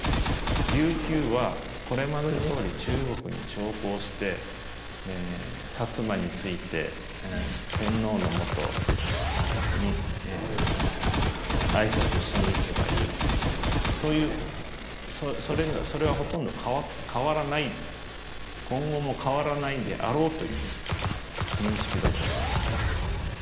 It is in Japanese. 琉球はこれまでどおり中国に朝貢して薩摩について天皇のもとに挨拶しにいけばいいというそれはほとんど変わらない今後も変わらないであろうという認識だったと思います。